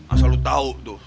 asal lo tahu tuh